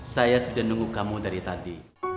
saya sudah nunggu kamu dari tadi